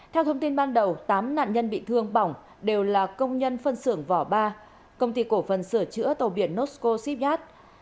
theo thông tin ban đầu tám nạn nhân bị thương bỏng đều là công nhân phân xưởng vỏ ba công ty cổ phần sửa chữa tàu biển nosco shibyat